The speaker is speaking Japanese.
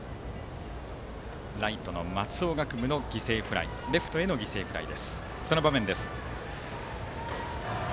ライトの松尾学武のレフトへの犠牲フライ。